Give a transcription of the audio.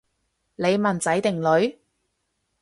你問仔定女？